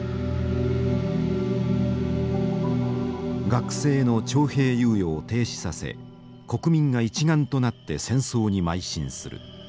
学生の徴兵猶予を停止させ国民が一丸となって戦争にまい進する。